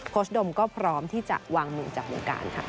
โพสต์ดมก็พร้อมที่จะวางหมู่จัดการค่ะ